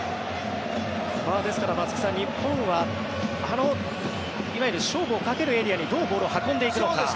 ですから、松木さん日本は勝負をかけるエリアにどうボールを運んでいくのか。